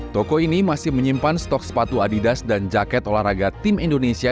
toko ini masih menyimpan stok sepatu adidas dan jaket olahraga tim indonesia